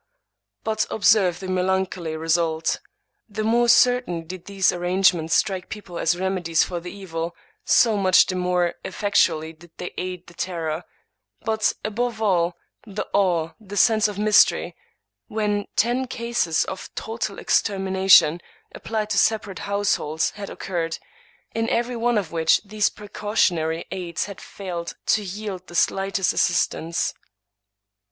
But observe the melancholy result: the more certain did these arrangements strike people as remedies for the evil, so much the more effectually did they aid the terror, but, above all, the awe, the sense of mystery, when ten cases of total extermination, applied to separate households, had occurred, in every one of which these precautionary aids had failed to yield the slightest assistance.